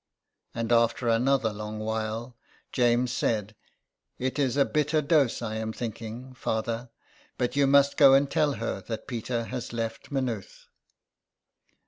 And after another long while James said, " It is a bitter dose, I am thinking, father, but you must go and tell her that Peter has left Maynooth."